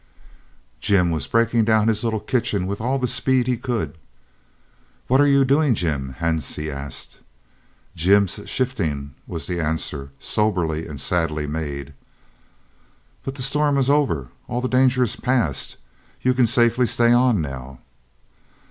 Jim was breaking down his little kitchen with all the speed he could. "What are you doing, Jim?" Hansie asked. "Jim's shifting," was the answer, soberly and sadly made. "But the storm is over. All the danger is past. You can safely stay on now."